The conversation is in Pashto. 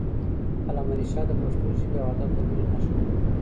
علامه رشاد د پښتو ژبې او ادب د مینې نښه ده.